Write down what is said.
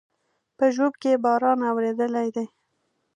په ژوب کې باران اورېدلى دی